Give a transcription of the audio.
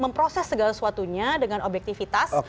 memproses segala sesuatunya dengan objektivitas